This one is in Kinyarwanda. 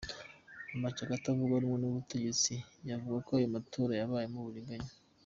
Amashyaka atavuga rumwe n'ubutegetsi yavuze ko ayo matora yabayemo uburiganya.